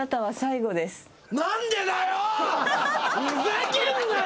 ふざけんなよ！